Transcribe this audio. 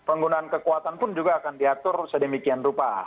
dan penggunaan kekuatan pun juga akan diatur sedemikian rupa